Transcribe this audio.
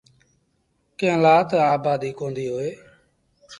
ڪݩهݩ لآ تا آبآديٚ ڪونديٚ هوئي۔